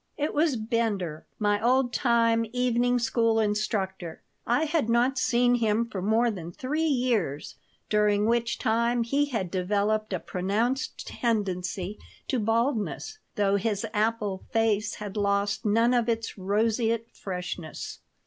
It was Bender, my old time evening school instructor. I had not seen him for more than three years, during which time he had developed a pronounced tendency to baldness, though his apple face had lost none of its roseate freshness.